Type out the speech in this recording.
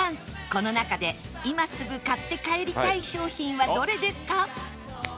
この中で今すぐ買って帰りたい商品はどれですか？